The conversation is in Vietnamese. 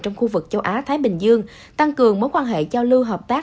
trong khu vực châu á thái bình dương tăng cường mối quan hệ giao lưu hợp tác